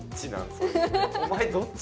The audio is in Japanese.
それお前どっち？